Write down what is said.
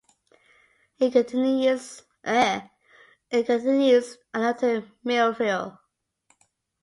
It continues another to Millville.